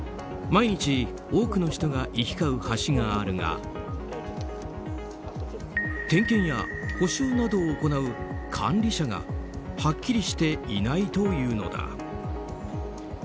毎日多くの人が行き交う橋があるが点検や補修などを行う管理者がはっきりしていないというのだ。